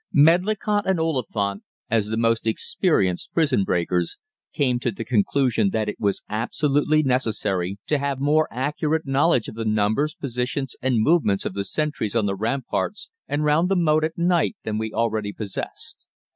Medlicott and Oliphant, as the most experienced prison breakers, came to the conclusion that it was absolutely necessary to have more accurate knowledge of the numbers, positions, and movements of the sentries on the ramparts and round the moat at night than we already possessed.